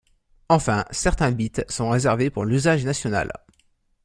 Enfin, certains bits sont réservés pour l'usage national.